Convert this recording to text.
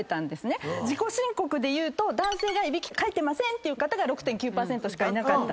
自己申告でいうと男性がいびきかいてませんって方が６．９％しかいなかった。